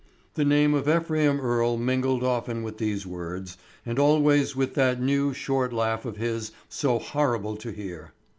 The name of Ephraim Earle mingled often with these words, and always with that new short laugh of his so horrible to hear.